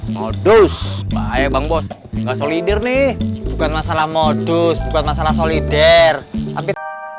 modus baik bang bos nggak solidir nih bukan masalah modus buat masalah solidir tapi